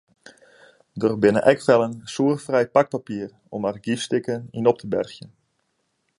Der binne ek fellen soerfrij pakpapier om argyfstikken yn op te bergjen.